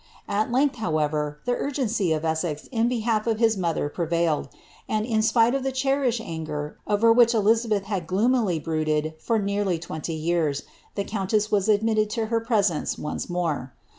At length, however, the urgency of E«el in behalf of his nLolher prevailed, and, in spile of the cherished sngw over which Elizabeth had gloomily brooded for nearly twenty yeirt, the countess was admitted into her presence once more.